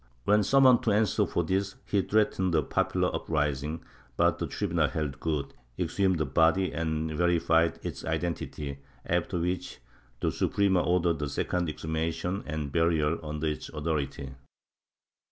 When summoned to answer for this he threatened a popular up rising, but the tribunal held good, exhumed the body and verified its identity, after which the Suprema ordered a second exhumation and burial under its authority.